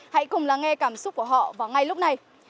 hãy cùng lắng nghe cảm xúc của họ vào ngay lúc này